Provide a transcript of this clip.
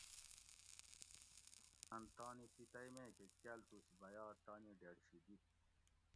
ان تانی پتئی میکہ کالتوس بھیا تانی ڈیڈ شی دیت